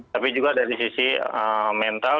tapi juga dari sisi mental